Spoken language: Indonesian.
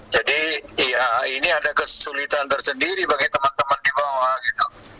jadi ya ini ada kesulitan tersendiri bagi teman teman di bawah